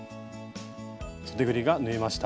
そでぐりが縫えました。